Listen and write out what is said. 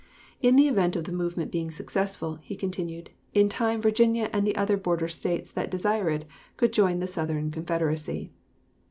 "In the event of the movement being successful," he continued, "in time Virginia and the other border States that desired it could join the Southern Confederacy."